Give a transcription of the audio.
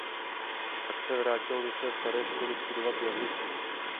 Pak se vrátil do své staré školy studovat jazyky.